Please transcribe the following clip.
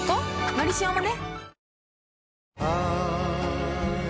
「のりしお」もね